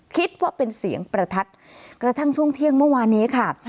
คิดว่าเป็นเสียงประทัดกระทั่งช่วงเที่ยงเมื่อวานนี้ค่ะ